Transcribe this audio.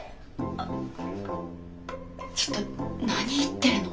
あちょっと何言ってるの？